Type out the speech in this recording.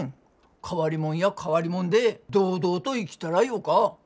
変わりもんや変わりもんで堂々と生きたらよか。